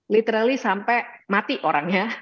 literaly sampai mati orangnya